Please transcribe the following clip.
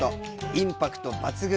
インパクト抜群！